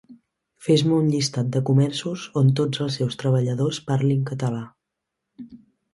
Fes-me un llistat de comerços on tots els seus treballadors parlin català